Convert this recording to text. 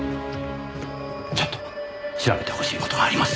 ちょっと調べてほしい事があります。